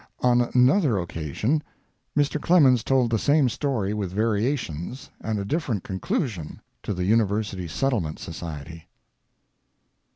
On an other occasion Mr. Clemens told the same story with variations and a different conclusion to the University Settlement Society.